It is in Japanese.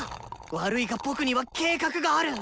悪いが僕には計画がある！